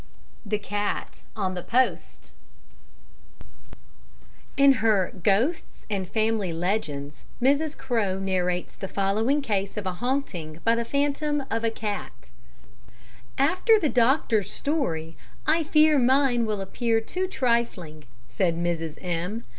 The Cat on the Post In her Ghosts and Family Legends Mrs. Crowe narrates the following case of a haunting by the phantom of a cat: "After the doctor's story, I fear mine will appear too trifling," said Mrs. M.